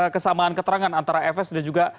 kesamaan keterangan antara fs dan juga